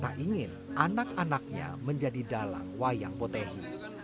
tapi dia ingin anak anaknya menjadi dalang wayang potehi